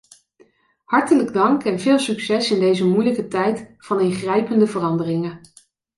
Hartelijk dank en veel succes in deze moeilijke tijd van ingrijpende veranderingen.